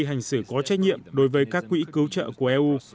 hành xử có trách nhiệm đối với các quỹ cứu trợ của eu